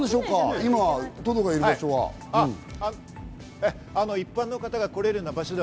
今、トドがいる場所は。